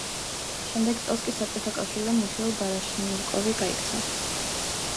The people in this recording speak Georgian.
შემდეგ წელს კი საბჭოთა კავშირიდან მიხეილ ბარიშნიკოვი გაიქცა.